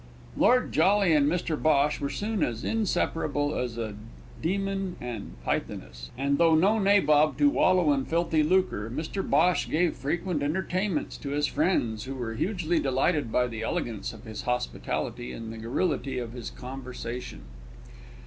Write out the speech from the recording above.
Lord Jolly and Mr Bhosh were soon as inseparable as a Dæmon and Pythoness, and, though no nabob to wallow in filthy lucre, Mr Bhosh gave frequent entertainments to his friends, who were hugely delighted by the elegance of his hospitality and the garrulity of his conversation.